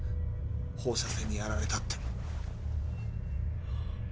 「放射線にやられた」って。